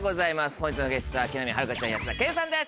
本日のゲストは木南晴夏ちゃん安田顕さんです